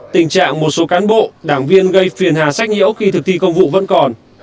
tình trạng một số cán bộ đảng viên gây phiền hà sách nhiễu khi thực thi công vụ vẫn còn